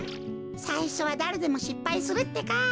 さいしょはだれでもしっぱいするってか。